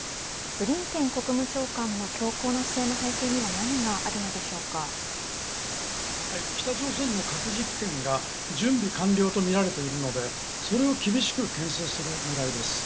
ブリンケン国務長官の強硬な姿勢の背景には北朝鮮の核実験が準備完了とみられているのでそれを厳しくけん制する狙いです。